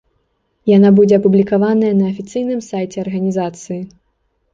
Яна будзе апублікаваная на афіцыйным сайце арганізацыі.